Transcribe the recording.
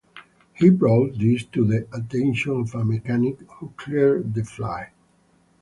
He brought this to the attention of a mechanic, who cleared the flight.